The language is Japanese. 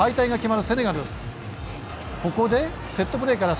セットプレーから。